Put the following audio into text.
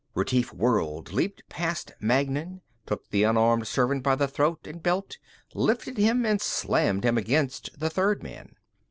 Retief whirled, leaped past Magnan, took the unarmed servant by the throat and belt, lifted him and slammed him against the third man.